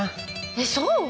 えっそう？